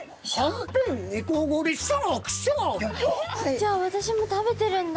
じゃあ私も食べてるんだ